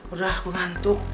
udah aku ngantuk